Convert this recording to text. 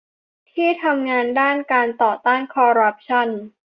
ที่ทำงานด้านการต่อต้านคอร์รัปชั่น